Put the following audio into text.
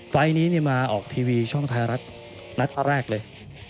ไฟล์นี้มาออกทีวีช่องไทยรัฐนัดแรกเลย